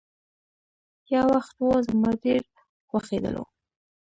يو وخت وو، زما ډېر خوښيدلو.